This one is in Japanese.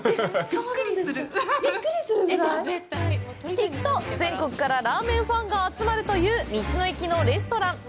聞くと、全国からラーメンファンが集まるという、道の駅のレストラン。